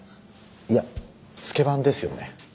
いやスケバンですよね。